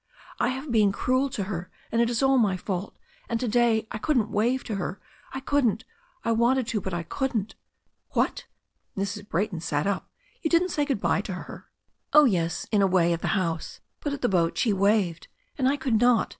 I have been cruel to her and it is all my fault. And to day I couldn't wave to her. I couldn't — I wanted to, but I couldn't " "What!" Mrs. Brayton sat up. "You didn't say good bye to her !" "Oh, yes, in a way — ^at the house; but at the boat she waved, and I could not.